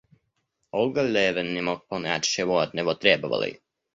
Долго Левин не мог понять, чего от него требовали.